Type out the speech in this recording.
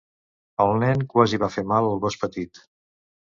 El nen quasi va fer mal al gos petit.